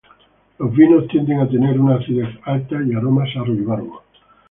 Los vinos tienden a tener una acidez alta y aromas a ruibarbo.